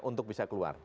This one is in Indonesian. untuk bisa keluar